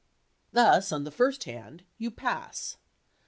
Thus, on the first hand, you "pass."